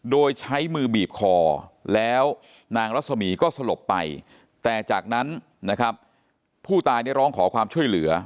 โดยใช้มือบีบคอแล้วนางรัศมีร์ก็สลบไปแต่จากนั้นนะครับผู้ตายได้ร้องขอความช่วยเหลือ